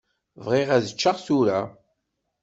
Bɣiɣ ad ččeɣ tura.